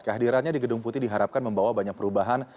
kehadirannya di gedung putih diharapkan membawa banyak perubahan